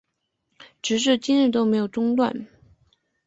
直到今日都没有中断